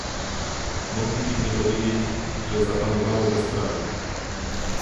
Moglibyśmy powiedzieć, że zapanowało bezprawie